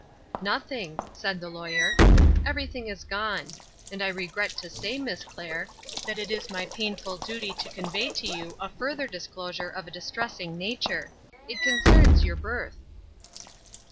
"Nothing," said the Lawyer. "Everything is gone. And I regret to say, Miss Clair, that it is my painful duty to convey to you a further disclosure of a distressing nature. It concerns your birth."